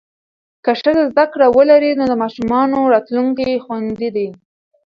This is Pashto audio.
که ښځه زده کړه ولري، نو د ماشومانو راتلونکی خوندي دی.